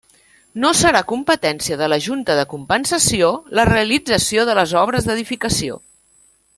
No serà competència de la Junta de Compensació la realització de les obres d'edificació.